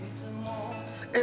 えっ？